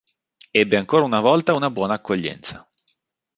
Ebbe ancora una volta una buona accoglienza.